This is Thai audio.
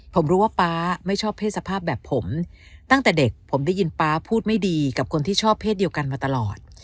ผมรู้ว่าป๊าไม่ชอบเพศสภาพแบบผมตั้งแต่เด็กผมได้ยินป๊าพูดไม่ดีกับคนที่ชอบเพศเดียวกันมาตลอด